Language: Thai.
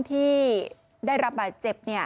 ที่ได้รับบาดเจ็บ